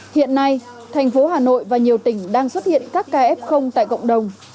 hiện nay thành phố hà nội và nhiều tỉnh đang xuất hiện các kf tại cộng đồng